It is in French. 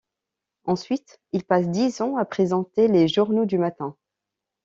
Ensuite, il passe dix ans à présenter les journaux du matin.